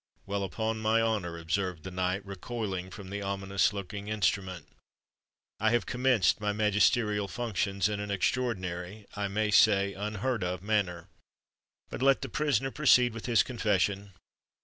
"Well, upon my honour," observed the knight, recoiling from the ominous looking instrument, "I have commenced my magisterial functions in an extraordinary—I may say, unheard of manner. But let the prisoner proceed with his confession."